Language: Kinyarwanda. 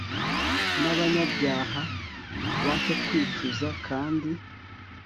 n'abanyabyaha bahe kwicuza, kandi